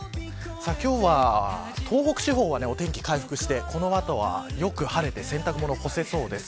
今日は東北地方はお天気回復してこの後はよく晴れて洗濯物を干せそうです。